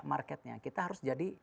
marketnya kita harus jadi